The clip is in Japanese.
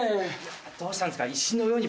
どうしたんですか？